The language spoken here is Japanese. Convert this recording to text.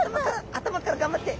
頭から頑張って！